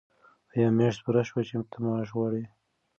آیا میاشت پوره شوه چې ته معاش غواړې؟